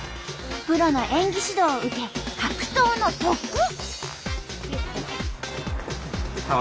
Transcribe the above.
プロの演技指導を受け格闘の特訓。